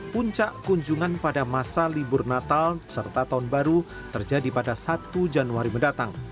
puncak kunjungan pada masa libur natal serta tahun baru terjadi pada satu januari mendatang